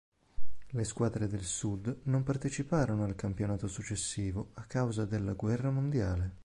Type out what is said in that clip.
Le squadre del sud non parteciparono al campionato successivo a causa della guerra mondiale.